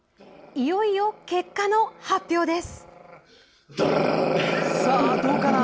いよいよ結果の発表です。